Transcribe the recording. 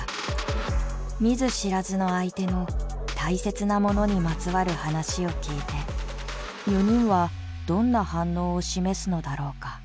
見ず知らずの相手の大切なものにまつわる話を聞いて４人はどんな反応を示すのだろうか。